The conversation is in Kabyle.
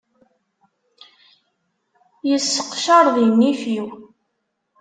Yesseqecaṛ di nnif-iw.